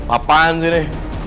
apaan sih ini